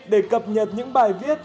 để cập nhật những bài viết